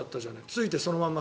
着いてそのまま